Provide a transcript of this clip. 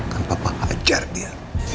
kan papa hajar dia